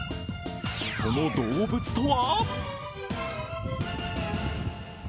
その動物とは？